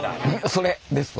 それですわ。